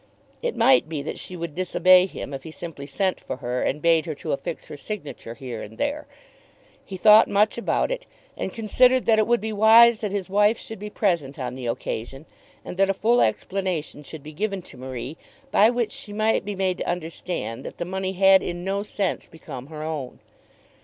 It might be that she would disobey him if he simply sent for her and bade her to affix her signature here and there. He thought much about it and considered that it would be wise that his wife should be present on the occasion, and that a full explanation should be given to Marie, by which she might be made to understand that the money had in no sense become her own.